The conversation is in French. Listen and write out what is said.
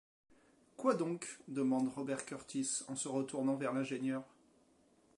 Quoi donc? demande Robert Kurtis, en se retournant vers l’ingénieur.